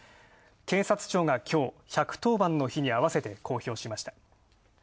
警察庁がきょう、１１０番にあわせて、公表しました。